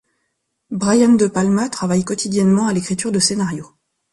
Brian De Palma travaille quotidiennement à l'écriture de scénarios.